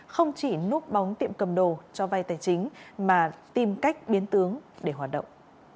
không chỉ núp bóng tiệm cầm đồ cho vai tài chính mà tìm cách biến tướng để hoạt động